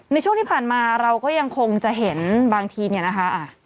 ในช่วงที่ผ่านมาเราก็ยังคงจะเห็นบางทีเนี่ยนะคะ